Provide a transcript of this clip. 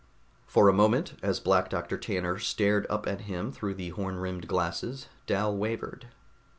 For a moment, as Black Doctor Tanner stared up at him through the horn rimmed glasses, Dal wavered.